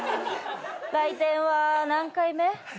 来店は何回目？